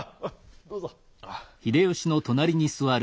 どうぞ。